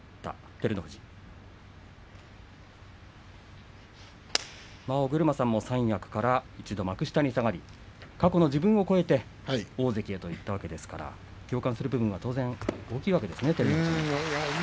照ノ富士尾車さんも三役から一度幕下に下がり過去の自分を超えて大関といったわけですから共感する部分は当然大きいわけですね。